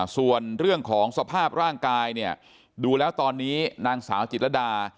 ส่วนเรื่องของสภาพร่างกายเนี่ยดูแล้วตอนนี้นางสาวจิตรดา